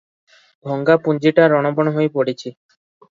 ଭଙ୍ଗା ପୁଞ୍ଜିଟା ରଣବଣ ହୋଇ ପଡିଛି ।"